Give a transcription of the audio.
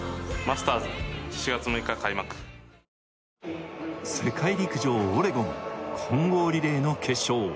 あ世界陸上オレゴン混合リレーの決勝